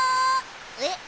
えっ？